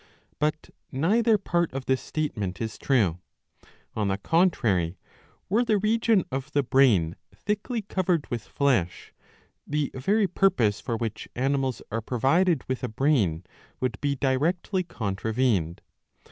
But neither part of this statement is true. On the contrary, were the region of the brain thickly covered with flesh, the very purpose for which animals are provided with a brain would be directly contravened.